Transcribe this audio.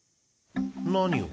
何を？